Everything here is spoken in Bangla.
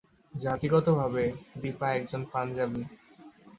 জাতিগতভাবে দীপা একজন পাঞ্জাবি।